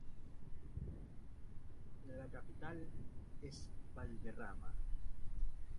La capital es Valderrama.